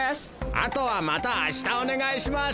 あとはまたあしたおねがいします。